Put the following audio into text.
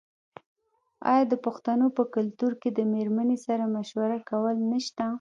آیا د پښتنو په کلتور کې د میرمنې سره مشوره کول نشته؟